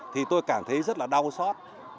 thì tôi cảm thấy rất là đau xót